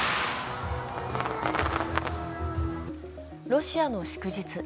ロシアの祝日。